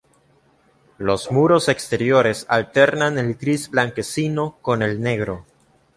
Los muros exteriores alternan el gris blanquecino con el negro.